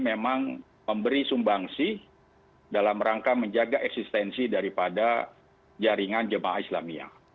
memang memberi sumbangsi dalam rangka menjaga eksistensi daripada jaringan jemaah islamiyah